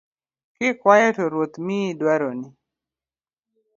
Kikuayo to Ruoth miyi dwaroni